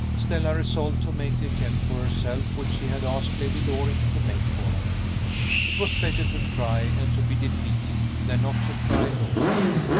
Stella resolved to make the attempt for herself which she had asked Lady Loring to make for her. It was better to try, and to be defeated, than not to try at all.